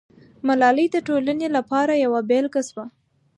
ملالۍ د ټولنې لپاره یوه بېلګه سوه.